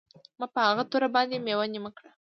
ما په هغه توره باندې میوه نیمه کړه